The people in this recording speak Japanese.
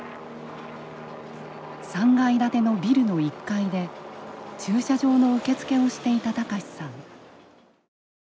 ３階建てのビルの１階で駐車場の受付をしていた隆さん。